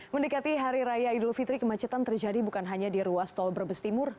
mendekati hari raya idul fitri kemacetan terjadi bukan hanya di ruas tol brebes timur